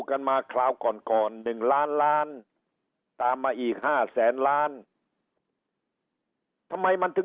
กันมาคราวก่อนก่อน๑ล้านล้านตามมาอีก๕แสนล้านทำไมมันถึง